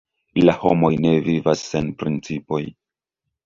La homoj ne vivas sen principoj.